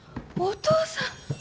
お父さん